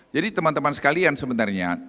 jadi teman teman sekalian sebenarnya